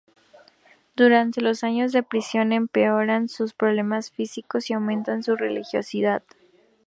Durante los años de prisión empeoran sus problemas físicos y aumenta su religiosidad.